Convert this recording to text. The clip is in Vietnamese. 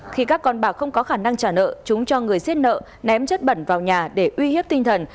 khi các con bạc không có khả năng trả nợ chúng cho người xiết nợ ném chất bẩn vào nhà để uy hiếp tinh thần